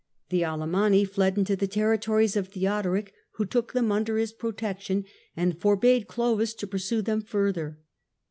The Ale manni fled into the territories of Theodoric, who took them under his protection and forbade Clovis to pursue them further.